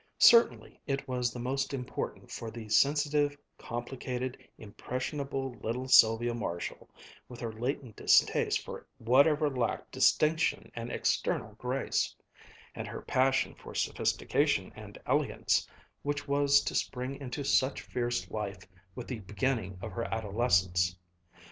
Certainly it was the most important for the sensitive, complicated, impressionable little Sylvia Marshall, with her latent distaste for whatever lacked distinction and external grace, and her passion for sophistication and elegance, which was to spring into such fierce life with the beginning of her adolescence.